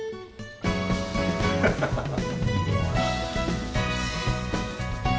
ハハハ。